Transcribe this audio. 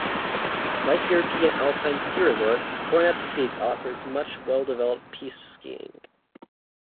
Like European Alpine ski resorts, Coronet's Peak offers much well-developed piste skiing.